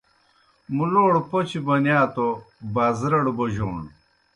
مُلوڑ پوْچہ بونِیا توْ بازرَڑ بوجوݨ۔